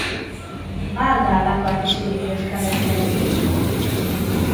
Ba al da halako arriskurik Euskal Herriarekin?